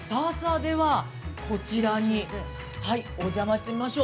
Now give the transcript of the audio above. では、こちらに、お邪魔してみましょう。